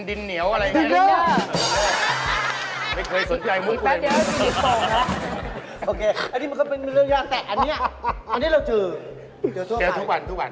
แล้วโรงแก้วแชมเปญขามันต้องยากกว่านี้หน่อย